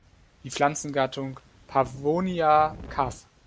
Die Pflanzengattung "Pavonia" Cav.